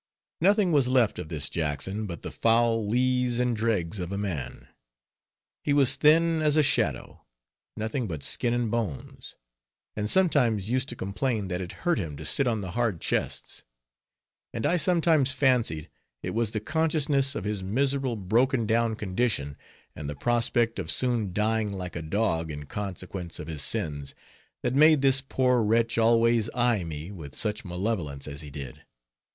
Nothing was left of this Jackson but the foul lees and dregs of a man; he was thin as a shadow; nothing but skin and bones; and sometimes used to complain, that it hurt him to sit on the hard chests. And I sometimes fancied, it was the consciousness of his miserable, broken down condition, and the prospect of soon dying like a dog, in consequence of his sins, that made this poor wretch always eye me with such malevolence as he did.